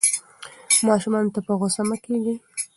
ماشومانو ته په غوسه مه کېږئ.